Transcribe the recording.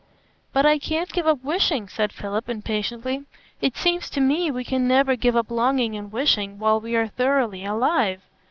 "But I can't give up wishing," said Philip, impatiently. "It seems to me we can never give up longing and wishing while we are thoroughly alive.